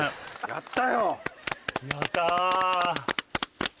やった。